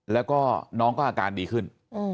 แล้วก็น้องก็อาการดีขึ้น